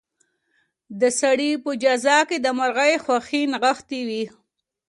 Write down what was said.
د سړي په جزا کې د مرغۍ خوښي نغښتې وه.